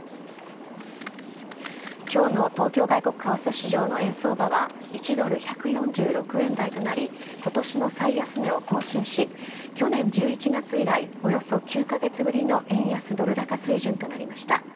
今日の東京外国為替市場の円相場は１ドル１４６円台となり今年の最安値を更新し去年１１月以来およそ９カ月ぶりの円安ドル高水準となりました。